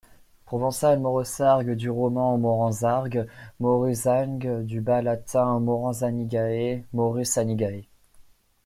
Provençal Mauressargue, du roman Maurensargues, Maurussanegues, du bas latin Maurensanicae, Maurussanicae.